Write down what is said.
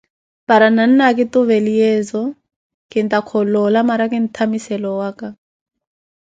Paara nanna akituveliyezo kintaaka oloola mara kintamissele owaka.